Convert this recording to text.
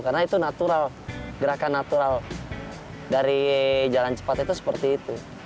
karena itu natural gerakan natural dari jalan cepat itu seperti itu